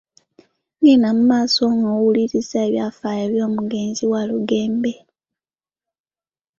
Genda mu maaso n'okuwuliriza ebyafaayo by'omugenzi Walugembe.